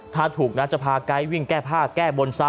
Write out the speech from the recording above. ถ้าถูกนะจะพาไกรร่อนวิ่งแก้ผ้าแก้บน